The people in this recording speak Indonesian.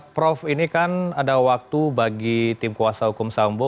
prof ini kan ada waktu bagi tim kuasa hukum sambo